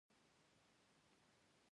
هغه په بېړه د ټلیفون پر خوا را ودانګل